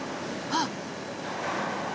あっ！